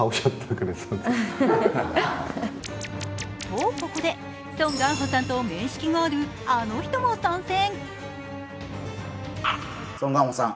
と、ここで、ソン・ガンホさん面識がある、あの人も参戦。